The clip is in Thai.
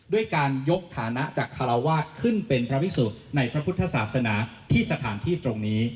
ด้วยการยกฐานะจากคาราวาสขึ้นเป็นพระพิสุในพระพุทธศาสนาที่สถานที่ตรงนี้